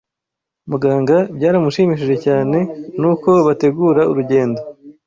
Muganga byaramushimishije cyane nuko bategura urugendo